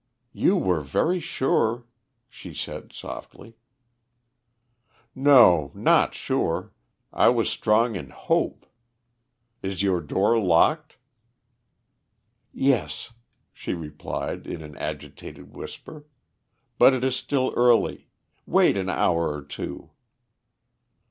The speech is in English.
"You were very sure," she said softly. "No, not sure. I was strong in hope. Is your door locked?" "Yes," she replied in an agitated whisper. "But it is still early. Wait an hour or two."